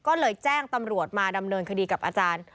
ก็เลยแจ้งตำรวจมาดำเนินคดีกับอาจารย์